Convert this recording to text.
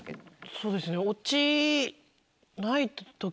そうですね。